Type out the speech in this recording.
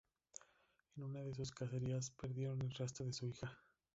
En una de sus cacerías perdieron el rastro de su hija.